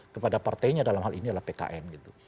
kepada partainya dalam hal ini adalah pkn gitu